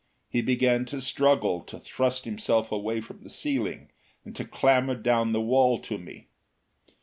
He began a struggle to thrust himself away from the ceiling and to clamber down the wall to me.